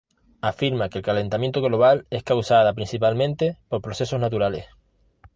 Afirma que el calentamiento global es causada principalmente por procesos naturales.